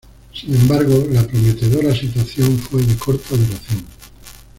Sin embargo, la prometedora situación fue de corta duración.